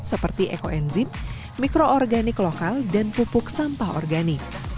seperti ekoenzim mikroorganik lokal dan pupuk sampah organik